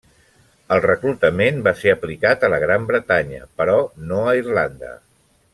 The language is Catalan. El reclutament va ser aplicat a la Gran Bretanya, però no a Irlanda.